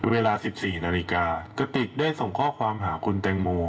เวลา๑๔นาฬิกากระติกได้ส่งข้อความหาคุณแตงโม